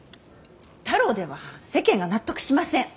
太郎では世間が納得しません！